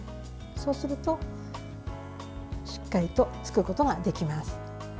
そうするとしっかりとつくことができます。